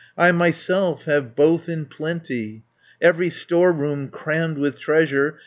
I myself have both in plenty. Every storeroom crammed with treasure.